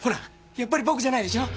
やっぱり僕じゃないでしょ？